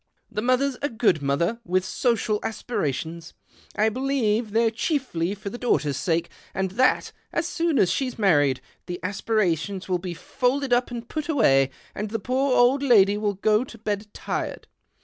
The mother's a good mother, with social aspirations — I believe they're chiefly for the daughter's sake, and that, as soon as she's married, the aspirations will be folded up and put away, and the poor old lady w^ill go to bed tired.